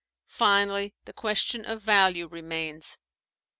Finally, the question of value remains.